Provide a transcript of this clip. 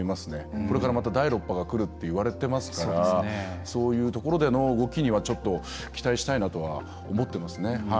これからまた第６波がくるっていわれていますからそういうところでの動きには期待したいなとは思っています。